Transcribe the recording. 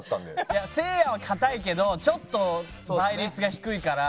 いやせいやは堅いけどちょっと倍率が低いから。